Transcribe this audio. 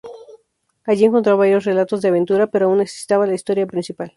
Allí encontró varios relatos de aventura, pero aun necesitaba la historia principal.